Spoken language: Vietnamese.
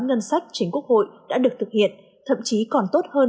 ngân sách chính quốc hội đã được thực hiện thậm chí còn tốt hơn